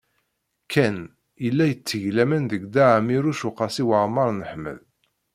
Ken yella yetteg laman deg Dda Ɛmiiruc u Qasi Waɛmer n Ḥmed.